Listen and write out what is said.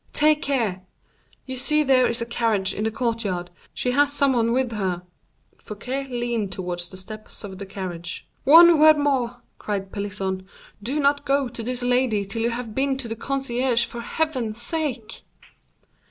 Take care! You see there is a carriage in the courtyard: she has some one with her." Fouquet leaned towards the steps of the carriage. "One word more," cried Pelisson; "do not go to this lady till you have been to the concierge, for Heaven's sake!"